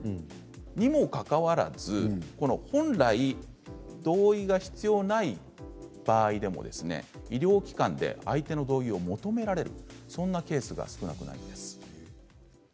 にもかかわらず本来、同意が必要ない場合でも医療機関で相手の同意を求められるそんなケースが少なくないんです。